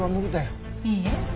いいえ。